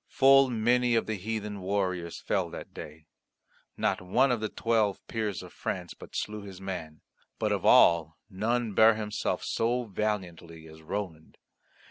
Full many of the heathen warriors fell that day. Not one of the Twelve Peers of France but slew his man. But of all none bare himself so valiantly as Roland.